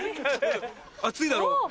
暑いだろ？